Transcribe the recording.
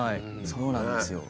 そうなんですよ。